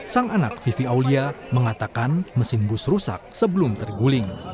sang anak vivi aulia mengatakan mesin bus rusak sebelum terguling